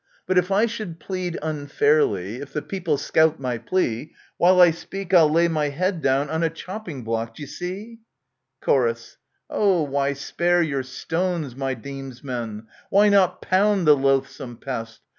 But if I should plead unfairly ;— if the people scout my plea ;— While I speak I'll lay my head down on a chopping block, d'ye see? Chor. Oh, why spare your stones, my demesmen ? Why not pound the loathsome pest?